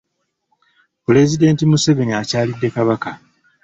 Pulezidenti Museveni akyalidde Kabaka.